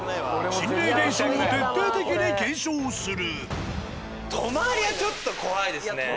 心霊現象を徹底的に検証する。